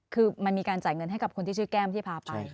คือมันมีการจ่ายเงินให้กับคนที่ชื่อแก้มที่พาไป